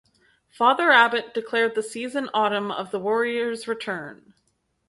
Father Abbot declared the season Autumn of the Warriors' Return.